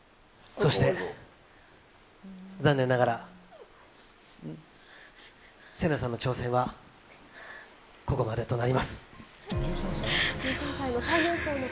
そして、残念ながら、セナさんの挑戦はここまでとなります。